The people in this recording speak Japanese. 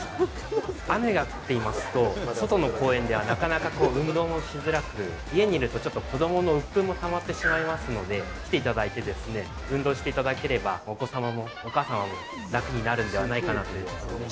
雨が降っていますと、外の公園ではなかなか運動もしづらく、家にいるとちょっと子どものうっぷんもたまってしまいますので、来ていただいてですね、運動していただければ、お子様もお母様も楽になるんではないかなと思います。